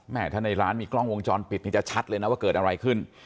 ถ้าในร้านมีกล้องวงจรปิดนี่จะชัดเลยนะว่าเกิดอะไรขึ้น